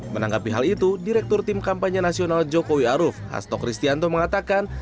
menanggapi hal itu direktur tim kampanye nasional jokowi aruf hasto kristianto mengatakan